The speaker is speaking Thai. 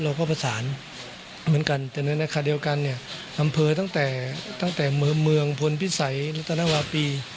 เราก็ประสานเหมือนกันแต่ในอนาคารเดียวกันเนี่ยอำเภอตั้งแต่เมืองพลพิสัยและธนวาปี